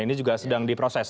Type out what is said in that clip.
ini juga sedang diproses